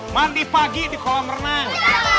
mandi pagi di kolam renang